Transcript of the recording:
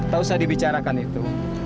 tak usah dibicarakan itu